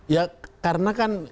ya karena kan